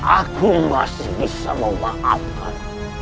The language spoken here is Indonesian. aku masih bisa memaafkan